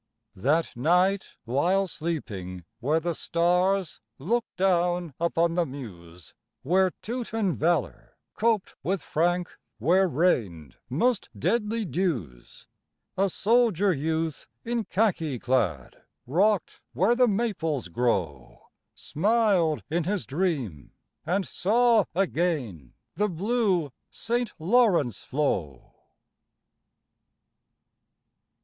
That night while sleeping where the stars Look down upon the Meuse, Where Teuton valor coped with Frank, Where rained most deadly dews, A soldier youth in khaki clad, Rock'd where the Maples grow, Smiled in his dream and saw again The blue St. Lawrence flow.